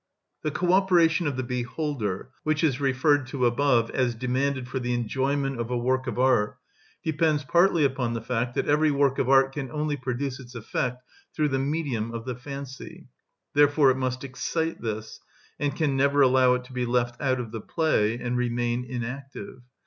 The co‐operation of the beholder, which is referred to above, as demanded for the enjoyment of a work of art, depends partly upon the fact that every work of art can only produce its effect through the medium of the fancy; therefore it must excite this, and can never allow it to be left out of the play and remain inactive.